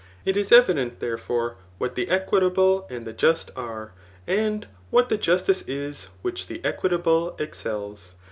It is evident, therefore, what the equitable and the just are, and what the justice is which the equitable excels.